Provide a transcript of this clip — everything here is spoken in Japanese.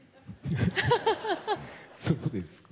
そうですか？